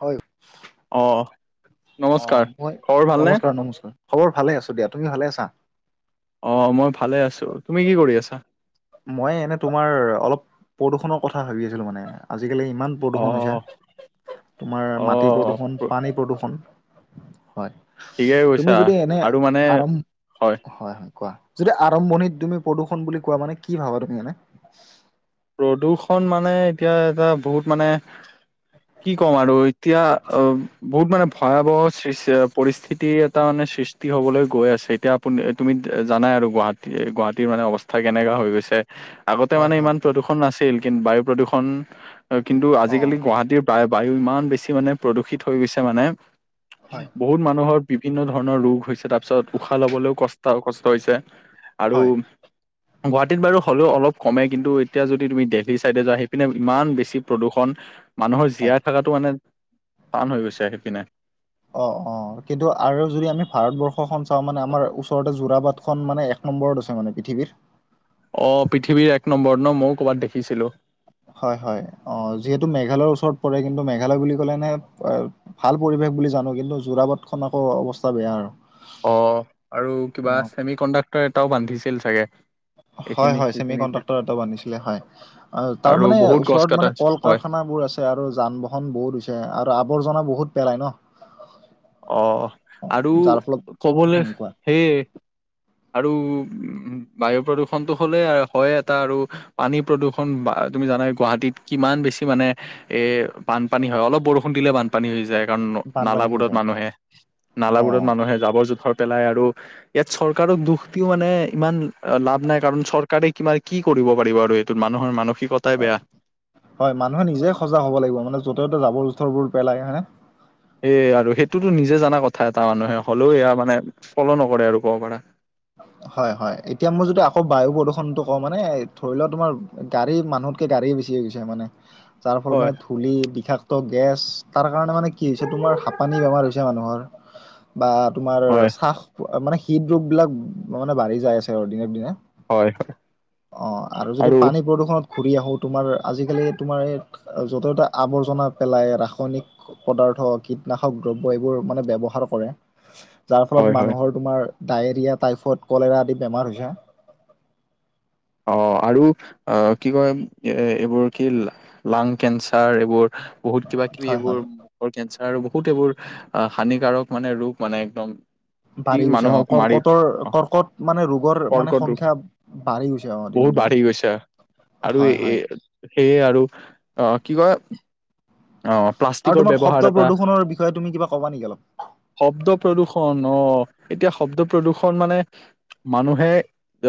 হয় অ অ নমস্কাৰ মই খবৰ ভালনে নমস্কাৰ নমস্কাৰ খবৰ ভালে আছো দিয়া। তুমি ভালে আছা? অঁ মই ভালে আছোঁ। তুমি কি কৰি আছা? মই এনে তোমাৰ অলপ প্ৰদূষণৰ কথা ভাবি আছিলো মানে। আজিকালি ইমান অ প্ৰদূষণ হৈছে তোমাৰ অ মাটি প্ৰদূষণ, পানী প্ৰদূৰষণ হয় ঠিকেই তুমি কৈছা যদি এনে আৰু মানে আৰম্ হয় হয় কোৱা যদি আৰম্ভণিত তুমি প্ৰদূষণ বুলি কোৱা মানে কি ভাবা তুমি এনে? প্ৰদূৰ্ষণ মানে এতিয়া এটা বহুত মানে [unintelligible] কি ক'ম আৰু এতিয়া অ বহুত মানে ভয়াৱহ সিচ অ পৰিস্থিতি এটা মানে সৃষ্টি টি হ'বলৈ গৈ আছে এতিয়া আপুনি তুমি জানাই আৰু গুৱাহাটী গুৱাহাটীৰ মানে অৱস্থা কেনেকা হৈ গৈছে আগতে হয় মানে হয় ইমান প্ৰদূৰ্ষণ নাছিল কিন বায়ু প্ৰদূষণ কিন্তু অ' আজি-কালি গুৱাহাটীত প্ৰায় বায়ু ইমান বেছি মানে প্ৰদূষিত হৈ গৈছে মানে হয় ব- বহুত মানুহৰ বিভিন্ন ধৰণৰ ৰোগ হৈছে তাৰ পিছত উশাহ লবলৈও কষ্ট কষ্ট হৈছে। আৰু হয় গুৱাহাটীত বাৰু হ'লেও অলপ কমে কিন্তু এতিয়া যদি তুমি দেলহি চাইডে যোৱা সেইপিনে ইমান বেছি প্ৰদূষণ মানুহৰ হয়। জীয়াই থকাটো মানে টান হৈ গৈছে সেপিনে অ', অ' কিন্তু আৰু যদি আমি ভাৰতবৰ্ষখন চাওঁ মানে আমাৰ ওচৰতে জোৰা বাটখন মানে এক নম্বৰত আছে মানে পৃথিৱীত। অ পৃথিৱীৰ এক নম্বৰত ন মও ক'ৰবাত দেখিছিলো। হয় হয় অ যিহেতু মেঘালয়ৰ ওচৰত পৰে কিন্তু মেঘালয় বুলি ক'লে নে অ ভাল পৰিৱেশ বুলি জানো কিন্তু যোৰাবাট খন আকৌ অৱস্থা বেয়া। অ', আৰু অ কিবা ছেমি কণ্ডাক্টৰ এটাও বান্ধিছিল চাগে। হয় এইখিনি হয় চেমি সেইখিনিতে কণ্ডাক্টৰ এটা বান্ধিছিলে হয়। অ', তাৰ আৰু মানে বহুত গছ ওচৰত কটা মানে হৈছে। কল হয় কাৰখানা বোৰ আ- ছে আৰু যান-বাহন বহুত হৈছে আৰু আৱৰ্জনা বহুত পেলাই ন। অহ আৰু যাৰ ফলত কবলে হুম কোৱা সেয়ে। আৰু উ বায়ু প্ৰদূষণটো হলে আ হয় এটা আৰু পানী প্ৰদূৰষণ বা তুমি জানাই গুৱাহাটীত কিমান বেছি মানে এ বানপানী হয় অলপ বৰষুণ দিলে বান- পানী হৈ যায় কাৰণ ন বানপানী হৈ নালাবোৰত যায় মানুহে অ নালাবোৰত মানুহে জাবৰ-জোথৰ পেলাই আৰু ইয়াত চৰ- কাৰক দুখ দিও মানে ইমান লাভ নাই কাৰণ চৰকাৰে কিবা কি কৰিব পাৰিব আৰু এইটোত মানুহৰ মানসিক- হয় হয় মানুহে নিজে সজাগ হ'ব লাগিব মানে য'তে ত'তে জাবৰ জোথৰবোৰ পেলায় হয়নে। এ আৰু সেইটোতো নিজে জনা কথা এটা মানুহে হ'লেও এয়া মানে ফল' নকৰে আৰু ক'ব পৰা। হয় হয়, এতিয়া মই যদি আকৌ বায়ু প্ৰদূষণটো কওঁ মানে ধৰি লোৱা তোমাৰ গাড়ী মানুহতকে গাড়ী বেছি হৈ গৈছে মানে যাৰ ফল হয় মানে খুলি বিষাক্ত গেছ তাৰ কাৰণে মানে কি হৈছে তোমাৰ হাঁপানী বেমাৰ হৈছে মানুহৰ। বা তোমাৰ হয় চাহ মানে হৃদ ৰোগ বিলাক মানে বাঢ়ি যাই আছে আৰু দিনে দিনে। হয় অ', আৰু যদি পানী প্ৰদূষণত ঘূৰি আহোঁ তোমাৰ আজি-কালি তোমাৰ ইয়াত য' ত আৱৰ্জনা পেলাই ৰাসায়নিক পদাৰ্থ কীটনাশক দ্ৰব্য এইবোৰ মানে ব্যৱহাৰ কৰে। যাৰ হয় ফলত হয় মানুহৰ তোমাৰ ডায়েৰিয়া টাইফইড কলেৰা আদি বেমাৰ হৈছে। অ', আৰু অ', কি কয় এ এইবোৰ কি লাং কেঞ্চাৰ এইবোৰ বহুত কিবা- কিবি হয় হয় এইবোৰ কেঞ্চাৰ আৰু বহুত এইবোৰ হানিকাৰক মানে ৰোগ মানে একদম। কি বাঢ়ি গৈছে অ মানুহক মাৰি কৰ্কটৰ অ কৰ্কট মানে ৰোগৰ মানে কৰ্কট ৰোগ সংখ্যা বাঢ়ি গৈছে অ'। দিনক বহুত দিনে বাঢ়ি গৈছে আৰু হয় এ হয় সেয়ে আৰু অ', কি কয় অ'। আৰু প্লাষ্টিকৰ তোমাৰ ব্যৱহাৰ শব্দ এটা প্ৰদূষনৰ বিষয়ে তুমি কিবা-কবা নেকি অলপ শব্দ প্ৰদূৰ্ষন আহ এতিয়া শব্দ প্ৰদূৰ্ষন মানে মানুহে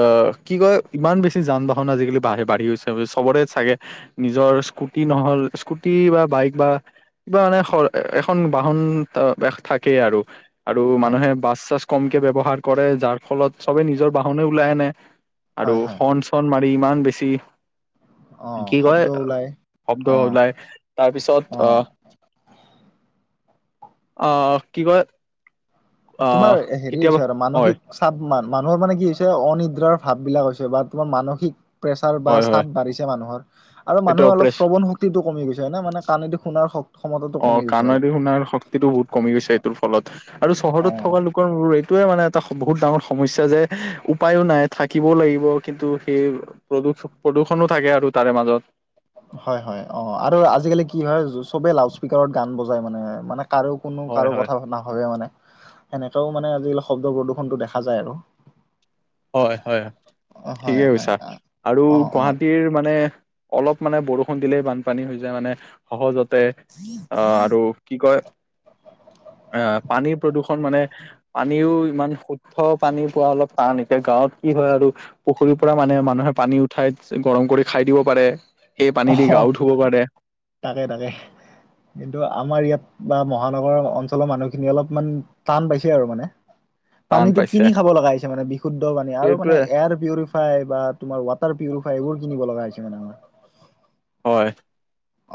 অ কি কয় ইমান বেছি যান বাহন আজিকালি বা বাঢ়ি গৈছে চবৰে চাগে নিজৰ স্কুটি নহল স্কুটি বা বাইক বা কিবা মানে এখন বাহন থাকেই আৰু। আৰু হয় মানুহে বাছ চাছ কমকে ব্যৱহাৰ কৰে যাৰ ফলত চবে নিজৰ বাহনে ওলাই আনে আৰু হয় হয় ফন মাৰি ইমান বেছি অ কি কয় শব্দ ওলাই শব্দ অ ওলাই। তাৰপিছত অ আহ আহ কি কয় তোমাৰ আহ হেৰি কেতিয়াবা হৈছে আৰু হয় মানসিক চাব মানুহৰ মানে কি হৈছে অনিদ্ৰাৰ ভাব বিলাক হৈছে বা তোমাৰ মানসিক প্ৰেচাৰ বা হয় হয় চাপ বাঢ়িছে মানুহৰ আৰু এইটো মানুহে অপ্ৰেচ শ্ৰৱণ শক্তি কমি গৈছে নে মানে টো শুনা শক্তি অ কাণেদি শুনাৰ শক্ত বহুত কমি গৈছে এইটোৰ ফলত আৰু চহৰত অ থকা লোকৰ ম এইটোয়ে মানে এটা বহুত ডাঙৰ সমস্যা যে উপায়ো নাই থাকিবও লাগিব কিন্তু সেই প্ৰদূষ প্ৰদূষণো থাকে আৰু তাৰে মাজত। হয় হয় অ আৰু আজিকালি কি হয় চবে লাউড স্পীকাৰ গান বজাই মানে মানে কাৰো কোনো হয় কাৰো হয় কথা নাভাবে মানে সেনেকাও মানে আজিকালি শব্দৰ প্ৰদূষণটো দেখা যায় আৰু হয় হয়, অ হয় ঠিকে হয় কৈছা আ, আৰু অ অ গুৱাহাটীৰ মানে অলপ মানে বৰষুণ দিলেই বানপানী হৈ যায় মানে সহজতে অ আৰু কি কয়। অ পানীৰ প্ৰদূষণ মানে পানীও ইমান শুদ্ধ পানী পোৱা অলপ তাণ এতিয়া গাঁৱত কি হয় আৰু পুখুৰীৰ পৰা মানে মানুহে পানী উঠাই গৰম কৰি খাই দিব পাৰে। সেই পানী দি অ গা ও ধুব পাৰে। তাকে তাকে কিন্তু আমাৰ ইয়াত বা মহানগৰ অঞ্চলৰ মানুহখিনি অলপমান টান পাইছে আৰু মানে টান পানীটো পাইছে কিনি খাব লগা হৈছে মানে বিশুদ্ধ পানী আৰু মানে সেইটোৱে এয়াৰ পিউৰিফ বা তমাৰ ৱাটাৰ পৰিফাই এইবোৰ কিনিব লগা হৈছে মানে আমাৰ হয়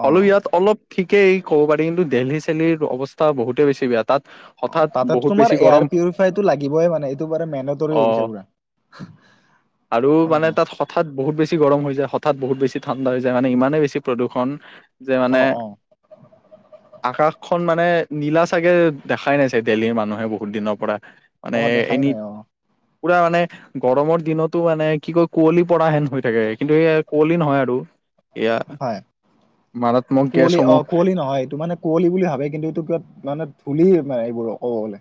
অ আৰু ইয়াত অলপ ঠিকেই, ক'ব পাৰি কিন্তু দিল্লী, চিল্লী অৱস্থা বহুতেই বেছি বেয়া। তাত অ হঠাৎ তাতেটো বহুত তোমাৰ বেছি গৰম এয়াৰ পিউৰিফাইটো লাগিবই মানে এইটো বাৰু মেনেতৰ অ হৈ গৈছে পুৰা। আৰু অ মানে তাত হঠাৎ বহুত বেছি গৰম হৈ যায়, হঠাৎ বহুত বেছি ঠাণ্ডা হৈ যায়, মানে ইমানেই বেছ প্ৰদূষণ যে মানে অ [unintelligible] আকাশখন মানে নীলা চাগে দেখাই নাই চাগে, দেলহীৰ মানুহে বহুত দিনৰ পৰা। মানে অ দেখাই এনি নাই অ পুৰা মানে গৰমৰ দিনতো মানে কি কয় কুঁৱলী পৰা হেন হৈ থাকে, কিন্তু সেইয়া কুঁৱলী নহয় আৰু। এয়া হয়, মাৰাত্মক কুঁৱলী অ গেছসমূহ কুঁৱলী নহয়। এইটো মানে কুঁৱলী বুলি ভাবে, কিন্তু এইটো কাত মানে কুঁৱলীয়ে এইবোৰ কব গলে।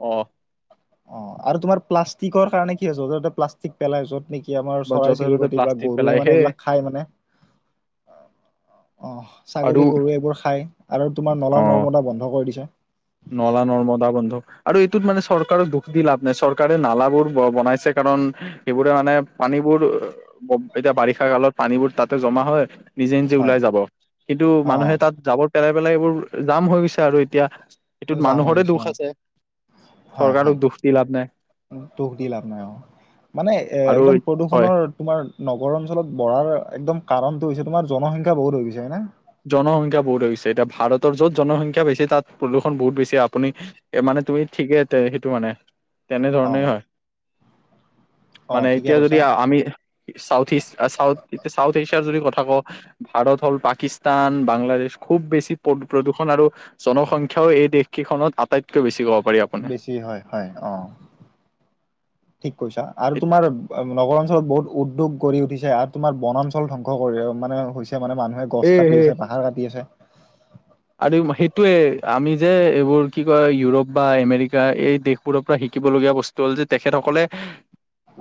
অ অ, আৰু তোমাৰ প্লাষ্টিকৰ কাৰণে কি হৈছে! যত প্লাষ্টিক পেলাই যত নেকি কি আমাৰ বা য'তে ত'তে চৰাই-চিৰিকটি বা প্লাষ্টিক পেলাই গৰুৱে মানে সেই এইবিলাক খায় মানে। অঁ, আৰু ছাগলী গৰু এইবোৰ খাই আৰু তোমাৰ অ নলা-নৰ্মদা বন্ধ কৰি দিছে। নলা- নৰ্মদা বন্ধ, আৰু এইটোত মানে চৰকাৰক দুখ দি লাভ নাই, চৰকাৰে নালাবোৰ বনাইছে কাৰণ সেইবোৰে মানে, পানীবোৰ এতিয়া বাৰিষা কালত পানীবোৰ তাতে জমা হয়। নিজে নিজে হয় ওলাই যাব। কিন্তু অ মানুহে তাত জাৱৰ পেলাই পেলাই এইবোৰ জাম হৈ গৈছে, আৰু এতিয়া এইটোত জাম হৈ মানুহৰে গৈছে দুখ অ আছে। হয়, চৰকাৰক হয়, দুখ দি লাভ নাই দুখ দি লভ নাই অ! মানে এ আৰু একদম হয় প্ৰদূষণৰ তোমাৰ, নগৰ অঞ্চলত বঢ়াৰ একদম কাৰণটো হৈছে তোমাৰ জনসংখ্যা বহুত হৈ গৈছে হয় না! জনসংখ্যা বহুত হৈছে, এতিয়া ভাৰতৰ য'ত জনসংখ্যা বেছি তাত প্ৰদূষণ বহুত বেছি। আপুনি এ মানে তুমি ঠিকে সেইটো মানে অ তেনেধৰণেই হয়। অ মানে, ঠিকে এতিয়া যদি কৈছা আমি চাউথ ইষ্ট, চাউথ চাউথ এছিয়াৰ যদি কথা কওঁ ভাৰত হ'ল পাকিস স্তান, বাংলাদেশ খুব বেছি প্ৰদূষণ আৰু জনসংখ্যাও এই দেশকেইখনত আটাইতকৈ বেছি ক'ব পাৰি। আপোনাৰ বেছি হয়, হয় অ! ঠিক কৈছা, আৰু তোমাৰ নগৰ অঞ্চলত বহুত উদ্যোগ গঢ়ি উঠিছে আৰু তোমাৰ বনাঞ্চল ধ্বংস কৰে, মানে হৈছে মানে মানুহে গছ উম কাটি হম আছে, পাহাৰ কাটি আছে, আৰু সেইটোৱে আমি যে এইবোৰ কি কয় ইউৰোপ বা এমেৰিকা এই দেশবোৰৰ পৰা শিকিবলগীয়া বস্তু তল যে তেখেতসকলে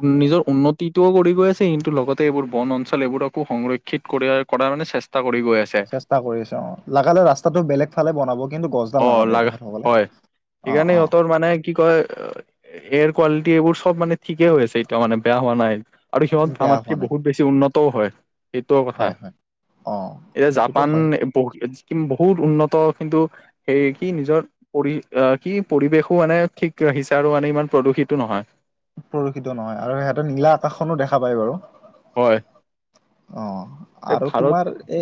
উ, নিজৰ উন্নতিটোও কৰি গৈ আছে, কিন্তু লগতে এইবোৰ বন অঞ্চল এইবোৰকো সংৰক্ষ থিক কৰিয়াৰ, কৰাৰ মানে চেষ্টা কৰি গৈ আছে। চেষ্টা কৰি আছে অ, লাগালে ৰাস্তাটো বেলেগ ফালে বনাব। কিন্তু গছডাল অ নাকাটে লা তেখেতসকলে হয়, অ সেইকাৰণে অ সিহঁতৰ মানে কি কয় এয়াৰ কোৱালিটি এইবোৰ চব মানে ঠিকেই হৈ আছে এতিয়াও মানে বেয়া হোৱা নাই। আৰু সিহঁত বেয়া আমাতকে হোৱা নাই বহুত বেছি উন্নত হয়, সেইটোও কথা হয় হয় অ এতিয়া সেইটোতো জাপান হয় ব কি বহুত উন্নত, কিন্তু সেই কি নিজৰ পৰি আহ, কি পৰিৱেশো মানে ঠিক ৰাখিছে, আৰু মানে ইমান প্ৰদূষিতো নহয়। প্ৰদূষিত নহয়, আৰু সিহঁতৰ নীলা আকাশখনো দেখা পায় বাৰু। হয়! অ, আৰু ভাৰত তোমাৰ এ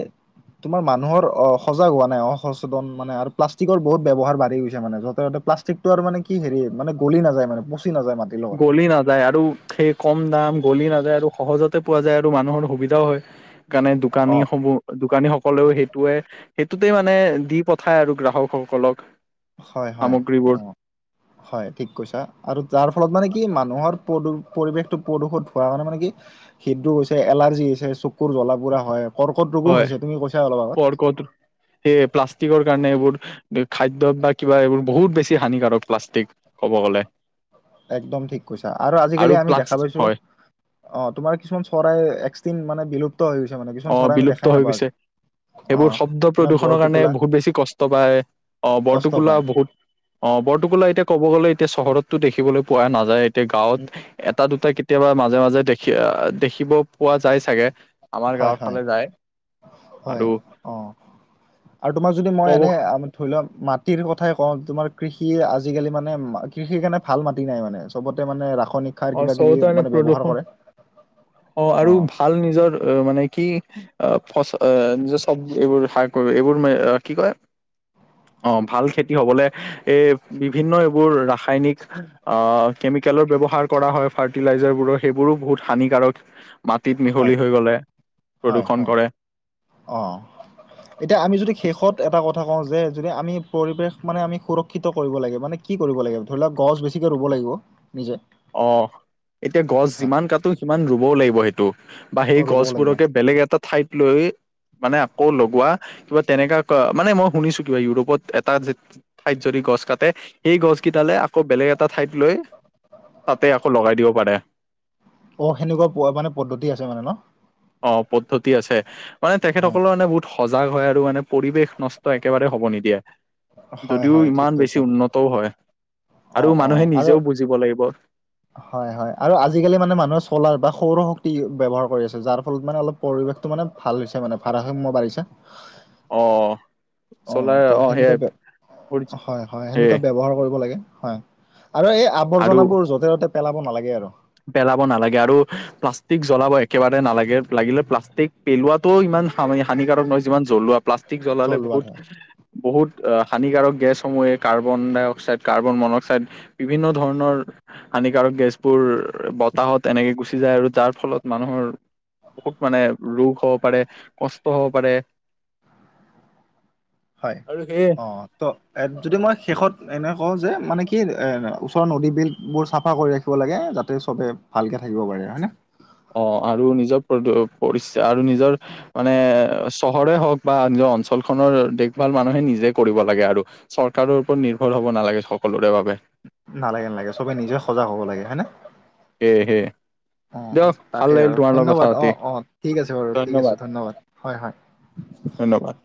তোমাৰ মানুহৰ অ সজাগ হোৱা নাই অসচেতন মানে আৰু প্লাষ্টিক বহুত ব্যৱহাৰ বাঢ়ি গৈছে মান যতে ততে প্লাষ্ টিক আৰু মানে কি হেৰি মানে গলি নাযায় মানে পচি নাযায় মান গলি নাযায় আৰু সেই কম দাম গলি নাযায় আৰু সহজতে পোৱা যায় আৰু মানুহৰ সুবিধাও হয় কাৰণে অ দোকানী সমূহ দোকানী সকলেও সেইটোৱে সেইটোতে মানে দি পঠায় আৰু গ্ৰাহকসকলক হয় হয় সামগ্ৰীবোৰ অ হয় ঠিক কৈছা আৰু যাৰ ফলত মানে কি মানুহৰ পৰিৱেশটো প্ৰদূষত হোৱা কাৰণে মানে কি হৃদ ৰোগ হৈছে এলাৰ্জি হৈছে চকুৰ জ্বলা পোৰা হয় কৰ্কট ৰোগো হৈছে তুমি কৈছা অলপ আগত আৰু ক'ত সেয়ে প্লাষ্টিকৰ কাৰণে এইবোৰ খাদ্য বা কিবা এইবোৰ বহুত বেছি হানিকাৰক প্লাষ্টিক ক'ব গ'লে একদম ঠিক কৈছা আৰু আজিকালি আমি প্লাছ দেখা পাইছো হয় অ তোমাৰ কিছুমান চৰাই এক্সিট মানে বিলুপ্ত হৈ গৈছে মানে কিছুমান অ চৰাই আমি বিলুপ্ত দেখাই হৈ নাপাওঁ আজি গৈছে অ সেইবোৰ শব্দ এনে বৰ প্ৰদূষণৰ কাৰণে টোকোলা বহুত বেছি কষ্ট পায় অ কষ্ট বৰটোকোলা পায় বহুত অ বৰটোকোলা এতিয়া ক'ব গলে এতিয়া চহৰতো দেখিবলৈ পোৱা নাযায় এতিয়া গাঁৱত এটা দুটা কেতিয়াবা মাজে মাজে দেখি দেখিব পোৱা যায় চাগে আমাৰ হয় হয় গাঁৱত হয় অ আৰু তোমাৰ যদি মই ক'ব এনে ধৰি লোৱাক মাটিৰ কথাই কওঁ তোমাৰ কৃষি আজিকালি মানে কৃষিৰ কাৰণে ভাল মাটি নাই মানে চবতে মানে ৰাসায়নিক সাৰ অ কিবা কিবি চবতে মানে ব্যৱহাৰ প্ৰদূষণ কৰে অ আৰু ভাল নিজৰ মানে কি আহ ফচল যে চব্জি এইবোৰ শাক এইবোৰ মা কি কয় অ ভাল খেতি হবলে এই বিভিন্ন এইবোৰ ৰাসায়নিক আহ কেমিকেলৰ ব্যৱহাৰৰ কৰা হয় ফাৰ্টি লাইজাৰবোৰৰ সেইবোৰো বহুত হানিকাৰক মাটিত হয় মিহলি হৈ গ'লে হয় প্ৰদূষণ হয় কৰে অ এতিয়া আমি যদি শেষত এটা কথা কওঁ যে যদি আমি পৰিৱেশ মানে আমি সুৰ ক্ষিত কৰিব লাগে মানে কি কৰিব লাগিব ধৰি লওক গছ বেছিকে ৰুব লাগিব নিজে অ এতিয়া গছ হয় যিমান কাটো সিমান ৰুবও লাগিব সেইটো বা অ সেই ৰুবও লাগিব গছবোৰকে বেলেগ এটা ঠাইত লৈ মানে আকৌ লগোৱা কিবা তেনেকা মানে মই শুনিছো কিবা ইউৰোপত এটা ঠাইত যদি গছ কাটে সেই গছ কেইটালে আকৌ বেলেগ এটা ঠাইত লৈ তাতে আকৌ লগাই দিব পাৰে অ সেনেকুৱা মানে পদ্ধতি আছে মানে ন অ পদ্ধতি আছে মানে হয় তেখেতসকলৰ মানে বহুত সজাগ হয় আৰু মানে পৰিৱেশ নষ্ট একেবাৰে হব নিদিয়ে হয় যদিও হয় ঠিক ইমান বেছি কৈছা উন্নতও হয় অ আৰু অ মানুহে আৰু নিজেও বুজিব লাগিব হয় হয় আৰু আজিকালি মানে মানুহে চ'লাৰ বা সৌৰ শক্তি ব্যৱহাৰ কৰি আছে যাৰ ফলত মানে অলপ পৰিৱেশটো মানে ভাল হৈছে মানে ভাৰা সাম্য বাঢ়িছে অ অ চ'লাৰ ত অ', সেনে সেয়াই কোৱা ব্য হয় হয় সেয়ে সেনেকুৱা ব্যৱহাৰ কৰিব লাগে হয় আৰু এই আৰু আৱৰ্জনাবোৰ য'তে ত'তে পেলাব নালাগে আৰু পেলাব নালাগে আৰু প্লাষ্টিক জ্বলাব একেবাৰে নালাগে লাগিলে প্লাষ্টিক পেলোৱাটোও ইমান হানি-হানিকাৰক নহয়, যিমান জ্বলোৱা। প্লাষ্টিক জ্বলালে জ্বলোৱাত বহুত হয় [unintelligible] বহুত হানিকাৰক গেছসমূহে কাৰ্বন-ডাই-অক্সাইড, কাৰ্বন-মন-অক্সাইড [unintelligible] বিভিন্ন ধৰণৰ হানিকাৰক গেছবোৰ [unintelligible] বতাহত এনেকে গুচি যায় আৰু যাৰ ফলত মানুহৰ [unintelligible] বহুত মানে ৰোগ হ'ব পাৰে, কষ্ট হ'ব পাৰে। [unintelligible] হয়। আৰু সেয়ে অঁ! [unintelligible] ত এ যদি মই শেষত এনে কওঁ যে মানে কি এ ওচৰৰ নদী, বিলবোৰ চাফা কৰি ৰাখ [unintelligible] ৰাখিব লাগে যাতে চবে ভালকৈ থাকিব পাৰে। হয়নে? [unintelligible] অ আৰু নিজৰ [unintelligible] পৰিচয় আৰু নিজৰ মানে চহৰে হওক বা নিজৰ অঞ্চলখনৰ দেখ ভাল মানুহে নিজে কৰিব লাগে আৰু। [inaudible] চৰকাৰৰ ওপৰত নিৰ্ভৰ হব নালাগে সকলোৰে বাবে। [unintelligible] নালাগে-নালাগে। সবে নিজে সজাগ হ'ব লাগে, হয় নে? [inaudible] সেইয়ে হে [unintelligible] অঁ তাকে আৰু কথা ধন্যবাদ। পাতি অঁ-অঁ! ঠিক আছে বাৰু, ঠিক আছে ধন্যবাদ। হয়-হয়। [inaudible] ধন্যবাদ। [unintelligible]